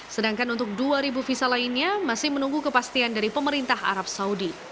sedangkan untuk dua visa lainnya masih menunggu kepastian dari pemerintah arab saudi